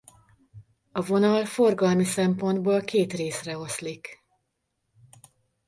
A vonal forgalmi szempontból két részre oszlik.